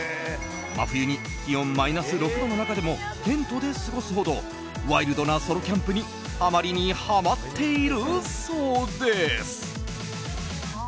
真冬に気温マイナス６度の中でもテントで過ごすほどワイルドなソロキャンプにハマりにハマっているそうです。